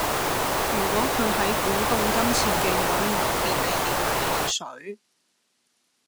如果佢喺古洞金錢徑搵唔到便利店買汽水